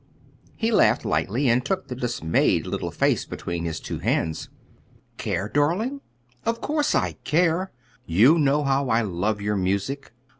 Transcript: He laughed lightly, and took the dismayed little face between his two hands. "Care, darling? of course I care! You know how I love your music.